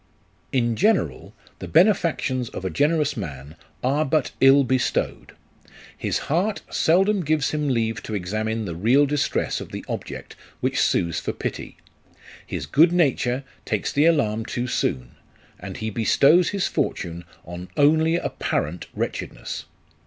In general, the benefactions of a generous man are but ill bestowed. His heart seldom gives him leave to examine the real distress of the object which sues for pity ; his good nature takes the alarm too soon, and he bestows his fortune on only apparent wretchedness.